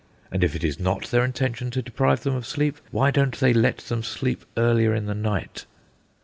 And if it is not their intention to deprive them of sleep, why don't they let them sleep earlier in the night?